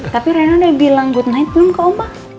tapi rena udah bilang good night belum ke oma